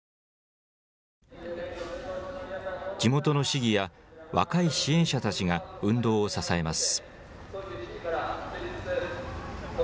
地元の市議や若い支援者たちが運動を支えます。